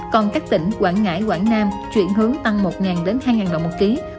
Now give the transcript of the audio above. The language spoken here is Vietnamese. còn các tỉnh quảng ngãi quảng nam chuyển hướng tăng một đồng đến hai đồng một kg